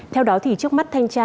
theo đó thì trước mắt thanh tra